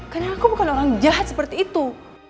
karena aku bukan orang jahat seperti itu